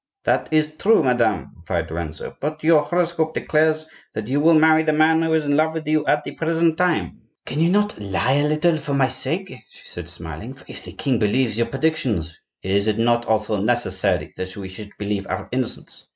"That is true, madame," replied Lorenzo; "but your horoscope declares that you will marry the man who is in love with you at the present time." "Can you not lie a little for my sake?" she said smiling; "for if the king believes your predictions—" "Is it not also necessary that he should believe our innocence?"